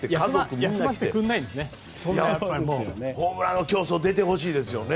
もうホームラン競争出てほしいですよね。